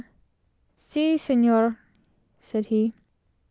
"Si Señor!" said he.